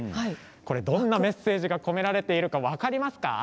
どんなメッセージが込められてるか分かりますか？